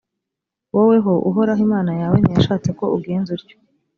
woweho uhoraho imana yawe ntiyashatse ko ugenza utyo.